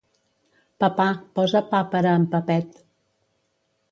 Papà, posa pa per a en Pepet.